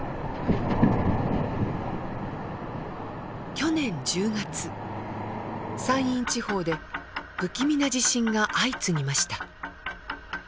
去年１０月山陰地方で不気味な地震が相次ぎました。